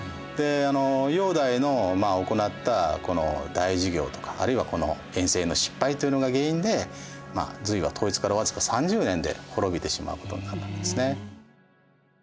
煬帝の行ったこの大事業とかあるいはこの遠征の失敗というのが原因で隋は統一から僅か３０年で滅びてしまうことになったんですね。